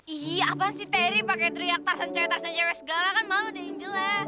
ih apaan sih terry pake teriak tarzan cewek tarzan cewek segala kan malu dari angela